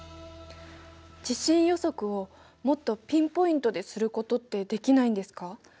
地震予測をもっとピンポイントですることってできないんですか？